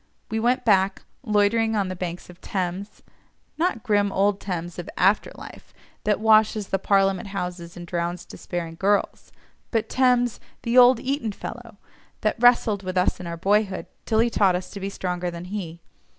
We went back, loitering on the banks of Thames—not grim old Thames of "after life," that washes the Parliament Houses, and drowns despairing girls—but Thames, the "old Eton fellow," that wrestled with us in our boyhood till he taught us to be stronger than he.